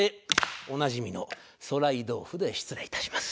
おなじみの『徂徠豆腐』で失礼いたします。